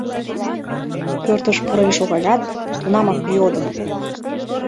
Пӧртыш пурен шогалят, тунамак йодо: